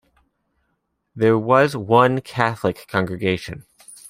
There was one Catholic congregation.